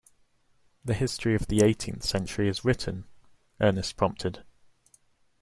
The history of the eighteenth century is written, Ernest prompted.